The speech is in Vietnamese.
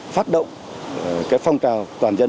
phát động cái phong trào toàn dân